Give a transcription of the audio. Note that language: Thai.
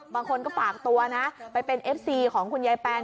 บางคนก็ฝากตัวนะไปเป็นเอฟซีของคุณยายแปน